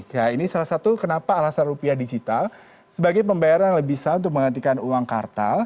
ya ini salah satu kenapa alasan rupiah digital sebagai pembayaran yang lebih sah untuk menggantikan uang kartal